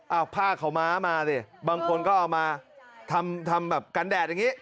เอาผ้าขาวม้ามาสิบางคนก็เอามาทำแบบกันแดดอย่างนี้